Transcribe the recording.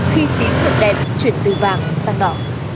khi tín hiệu đèn chuyển từ vàng sang đỏ